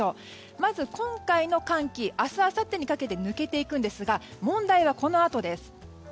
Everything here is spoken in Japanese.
まず、今回の寒気明日あさってにかけて抜けていくんですが問題はこのあとです。